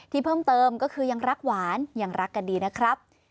เพิ่มเติมก็คือยังรักหวานยังรักกันดีนะครับ